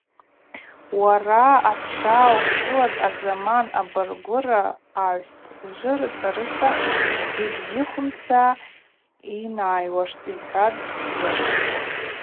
Уара ачва ушылаз азаман абаргвыра агӏвстӏ, ужвы рыцӏа-рыцӏа йбзихумца йнайуаштӏ, – йхӏватӏ Хзыр.